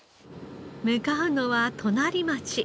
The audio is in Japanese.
向かうのは隣町。